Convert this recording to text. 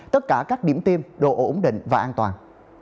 tất cả các điểm tiêm độ ổn định và an toàn